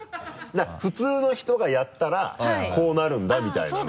普通の人がやったらこうなるんだみたいなのを。